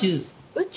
宇宙？